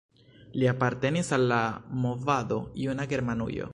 Li apartenis al la movado Juna Germanujo.